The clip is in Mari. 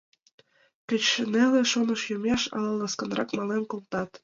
Кеч неле шоныш йомеш, ала ласканрак мален колтат.